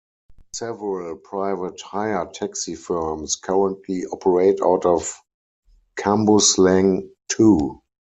Several private hire taxi firms currently operate out of Cambuslang too.